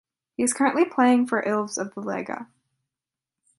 He is currently playing for Ilves of the Liiga.